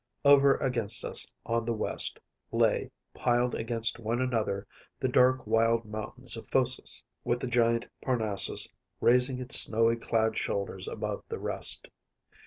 Over against us, on the west, lay, piled against one another, the dark wild mountains of Phocis, with the giant Parnassus raising its snow clad shoulders above the rest.